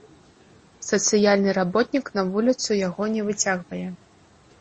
Сацыяльны работнік на вуліцу яго не выцягвае.